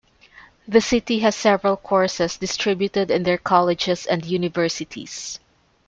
The city has several courses distributed in their colleges and universities.